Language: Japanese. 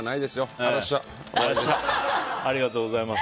ありがとうございます。